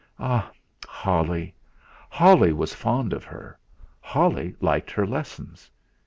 Ah! Holly! Holly was fond of her, Holly liked her lessons.